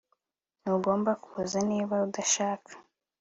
Ntugomba kuza niba udashaka